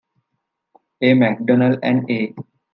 A. Macdonell and A.